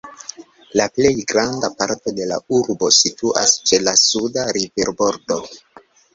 La plej granda parto de la urbo situas ĉe la suda riverbordo.